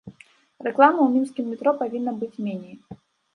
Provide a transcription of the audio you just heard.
Рэкламы ў мінскім метро павінна быць меней.